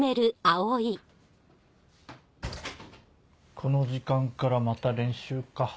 この時間からまた練習か。